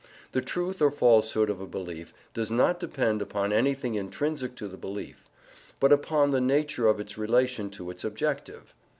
The truth or falsehood of a belief does not depend upon anything intrinsic to the belief, but upon the nature of its relation to its objective.